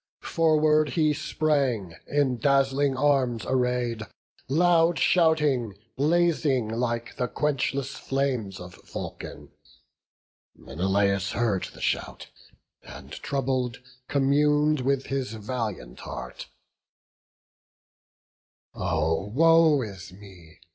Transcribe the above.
Forward he sprang, in dazzling arms array'd, Loud shouting, blazing like the quenchless flames Of Vulcan: Menelaus heard the shout, And, troubled, commun'd with his valiant heart: "Oh, woe is me!